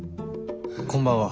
こんばんは。